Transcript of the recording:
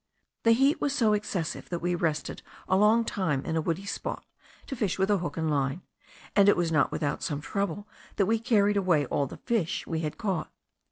The heat was so excessive that we rested a long time in a woody spot, to fish with a hook and line, and it was not without some trouble that we carried away all the fish we had caught.